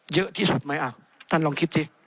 เยอะที่สุดไหมท่านลองคิดสิ